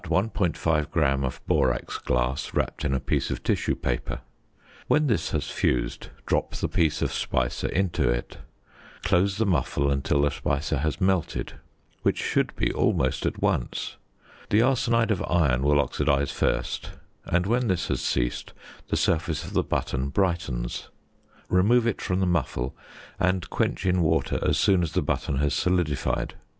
5 gram of borax glass wrapped in a piece of tissue paper; when this has fused, drop the piece of speise into it. Close the muffle until the speise has melted, which should be almost at once. The arsenide of iron will oxidise first, and when this has ceased the surface of the button brightens. Remove it from the muffle, and quench in water as soon as the button has solidified.